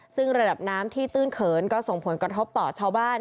ซึ่งระดับน้ำที่ตื้นเขินก็ส่งผลกระทบต่อชาวบ้าน